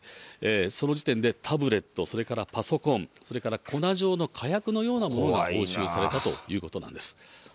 その時点でタブレット、それからパソコン、それから粉状の火薬のようなものが押収されたということなんです。